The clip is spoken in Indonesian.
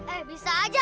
eh bisa aja lari